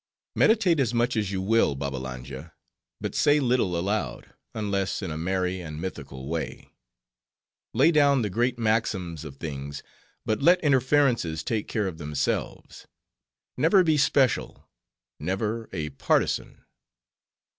"Meditate as much as you will, Babbalanja, but say little aloud, unless in a merry and mythical way. Lay down the great maxims of things, but let inferences take care of themselves. Never be special; never, a partisan.